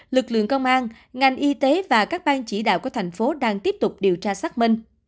lực lượng công an ngành y tế và các bang chỉ đạo của thành phố đang tiếp tục điều tra xác minh